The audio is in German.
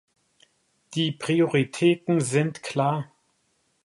Die Prioritäten sind klar.